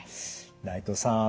内藤さん